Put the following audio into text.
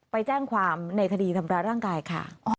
ไปแจ้งความในคดีทำร้ายร่างกายค่ะ